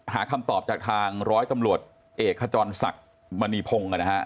หาคำตอบจากทางร้อยตำรวจเอกขจรศักดิ์มณีพงศ์นะฮะ